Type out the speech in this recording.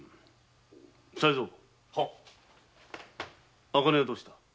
才三茜はどうした？